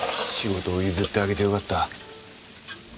仕事を譲ってあげてよかった。